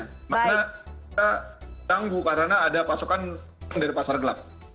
maka kita tangguh karena ada pasukan dari pasar gelap